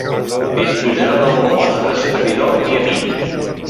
Disposeu del vostre servidor i amic.